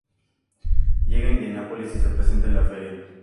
Llega a Indianápolis y se presenta en la feria.